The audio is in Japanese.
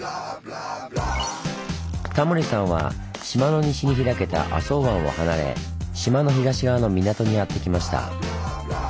タモリさんは島の西に開けた浅茅湾を離れ島の東側の港にやってきました。